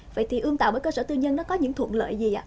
vậy thì ươm tạo bởi cơ sở tư nhân nó có những thuận lợi gì ạ